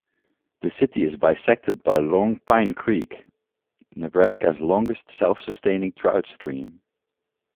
The city is bisected by Long Pine Creek, Nebraska's longest self-sustaining trout stream.